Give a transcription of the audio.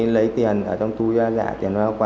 lấy tiền ở trong túi là tiền hoa quả